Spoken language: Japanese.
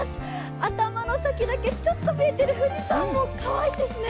頭の先だけちょっと見えてる富士山もかわいいですね。